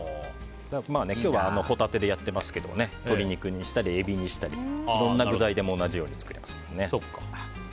今日はホタテでやってますけど鶏肉にしたりエビにしたりいろんな具材で同じように作れますのでね。